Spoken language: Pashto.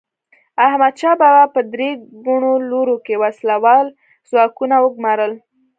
احمدشاه بابا په درې ګونو لورو کې وسله وال ځواکونه وګمارل.